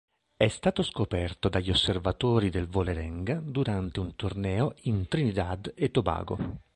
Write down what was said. È stato scoperto dagli osservatori del Vålerenga durante un torneo in Trinidad e Tobago.